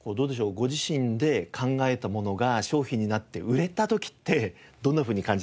ご自身で考えたものが商品になって売れた時ってどんなふうに感じてますか？